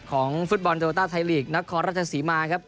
ของฟุตบอลโลต้าไทยลีกนครราชสีมาครับ